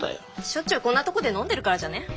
しょっちゅうこんなとこで飲んでるからじゃね？